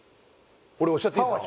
俺押しちゃっていいですか？